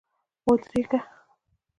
ودرېږه!